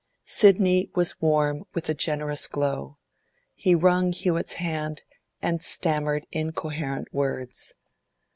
Sidney was warm with generous glow. He wrung Hewett's hand and stammered incoherent words.